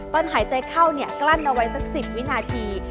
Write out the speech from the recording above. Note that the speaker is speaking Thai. ตอนหายใจเข้ากลั้นเอาไว้สัก๑๐วินาที